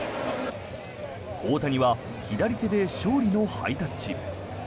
大谷は左手で勝利のハイタッチ。